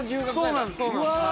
◆そうなんですよ。